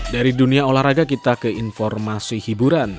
dari dunia olahraga kita ke informasi hiburan